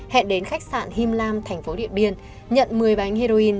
hẹn đến khách sạn him lam thành phố điện biên nhận một mươi bánh heroin